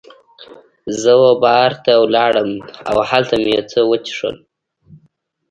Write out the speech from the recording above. زه وه بار ته ولاړم او هلته مې یو څه وڅښل.